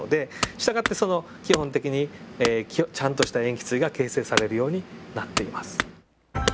従ってその基本的にちゃんとした塩基対が形成されるようになっています。